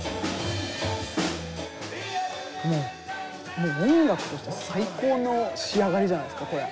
もう音楽として最高の仕上がりじゃないですかこれ。